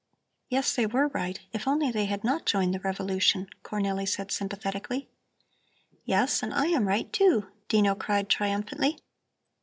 "Yes, they were right. If only they had not joined the revolution!" Cornelli said sympathetically. "Yes, and I am right, too," Dino cried triumphantly.